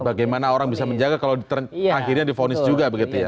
bagaimana orang bisa menjaga kalau akhirnya difonis juga begitu ya